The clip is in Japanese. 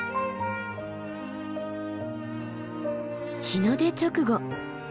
日の出直後